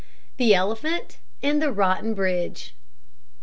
THE ELEPHANT AND THE ROTTEN BRIDGE.